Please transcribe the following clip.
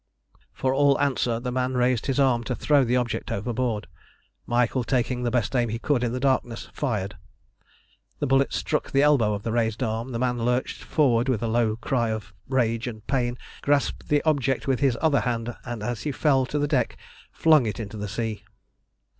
For all answer the man raised his arm to throw the object overboard. Michael, taking the best aim he could in the darkness, fired. The bullet struck the elbow of the raised arm, the man lurched forward with a low cry of rage and pain, grasped the object with his other hand, and, as he fell to the deck, flung it into the sea.